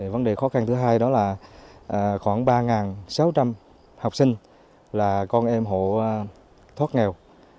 vấn đề khó khăn thứ hai đó là khoảng ba sáu trăm linh học sinh là con em hộ thoát nghèo